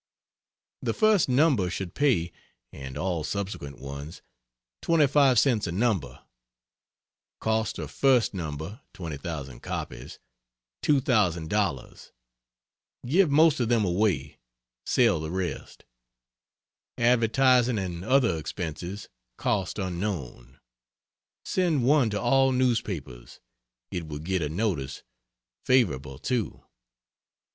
The first number should pay and all subsequent ones 25 cents a number. Cost of first number (20,000 copies) $2,000. Give most of them away, sell the rest. Advertising and other expenses cost unknown. Send one to all newspapers it would get a notice favorable, too.